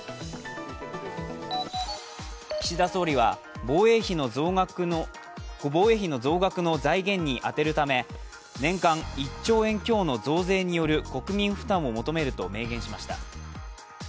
岸田総理は防衛費の増額の財源に充てるため、年間１兆円強の増税による国民負担を求めると明言しました。